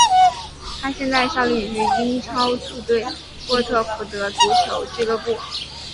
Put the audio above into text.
他现在效力于英超球队沃特福德足球俱乐部。